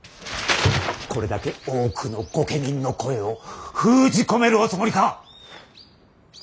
これだけ多くの御家人の声を封じ込めるおつもりか。